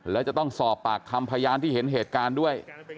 และจะต้องสอบปากคำพยานที่เห็นเหตุการณ์ด้วย